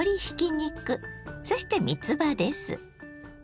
そしてみつばです。